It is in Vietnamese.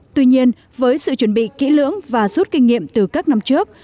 tuy nhiên với sự chuẩn bị kỹ lưỡng và rút kinh nghiệm từ các năm trước